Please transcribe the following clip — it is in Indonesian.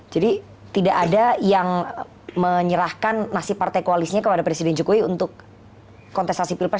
jadi tidak ada yang menyerahkan nasib partai koalisnya kepada presiden jokowi untuk kontestasi pilpres dua ribu dua puluh empat